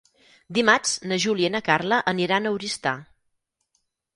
Dimarts na Júlia i na Carla aniran a Oristà.